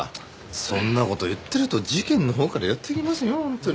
そんな事言ってると事件のほうからやって来ますよ。